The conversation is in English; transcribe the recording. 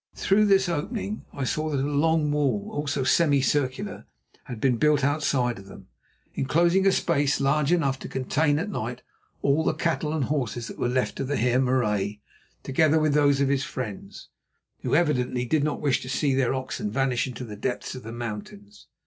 Through this opening I saw that a long wall, also semicircular, had been built outside of them, enclosing a space large enough to contain at night all the cattle and horses that were left to the Heer Marais, together with those of his friends, who evidently did not wish to see their oxen vanish into the depths of the mountains.